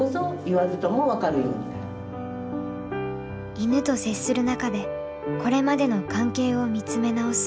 犬と接する中でこれまでの関係を見つめ直す。